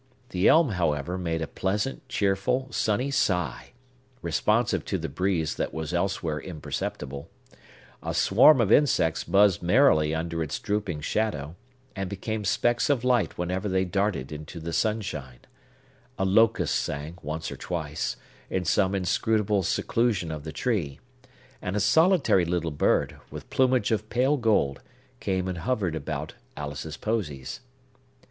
The elm, however, made a pleasant, cheerful, sunny sigh, responsive to the breeze that was elsewhere imperceptible; a swarm of insects buzzed merrily under its drooping shadow, and became specks of light whenever they darted into the sunshine; a locust sang, once or twice, in some inscrutable seclusion of the tree; and a solitary little bird, with plumage of pale gold, came and hovered about Alice's Posies.